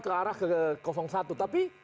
ke arah ke satu tapi